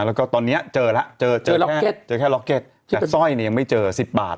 แล้วก็ตอนนี้เจอแค่ร็อกเก็ตแต่ซ่อยยังไม่เจอ๑๐บาท